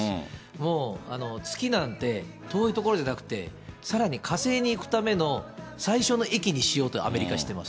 もう月なんて、遠い所じゃなくて、さらに火星に行くための最初の駅にしようとアメリカしてます。